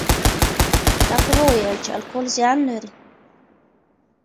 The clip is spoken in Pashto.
ډاکټر وویل چې الکول زیان لري.